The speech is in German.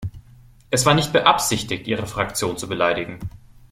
Es war nicht beabsichtigt, Ihre Fraktion zu beleidigen.